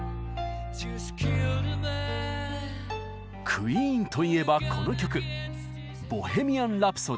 クイーンといえばこの曲「ボヘミアン・ラプソディ」。